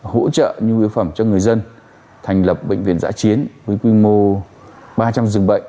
hỗ trợ như biểu phẩm cho người dân thành lập bệnh viện giã chiến với quy mô ba trăm linh dường bệnh